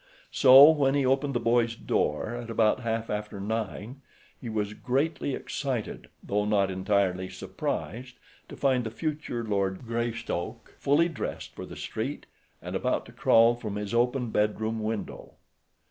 So, when he opened the boy's door at about half after nine, he was greatly excited, though not entirely surprised to find the future Lord Greystoke fully dressed for the street and about to crawl from his open bed room window.